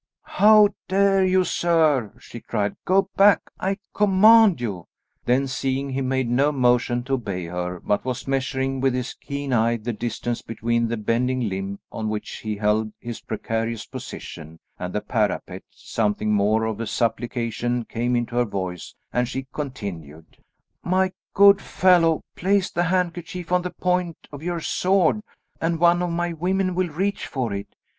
"How dare you, sir?" she cried. "Go back, I command you." Then seeing he made no motion to obey her, but was measuring with his keen eye the distance between the bending limb on which he held his precarious position, and the parapet, something more of supplication came into her voice, and she continued, "My good fellow, place the handkerchief on the point of your sword and one of my women will reach for it.